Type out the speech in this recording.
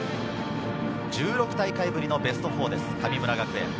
１６大会ぶりのベスト４です、神村学園。